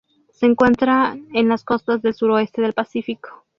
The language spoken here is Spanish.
Se encuentran en las costas del suroeste del Pacífico.